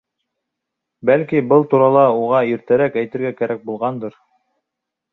Бәлки, был турала уға иртәрәк әйтергә кәрәк булғандыр.